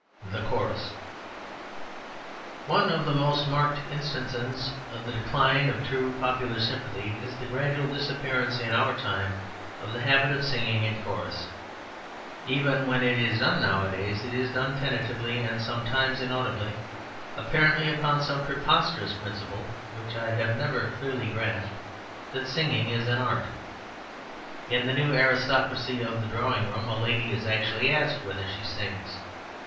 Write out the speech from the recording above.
The Chorus One of the most marked instances of the decline of true popular sympathy is the gradual disappearance in our time of the habit of singing in chorus. Even when it is done nowadays it is done tentatively and sometimes inaudibly; apparently upon some preposterous principle (which I have never clearly grasped) that singing is an art. In the new aristocracy of the drawing room a lady is actually asked whether she sings.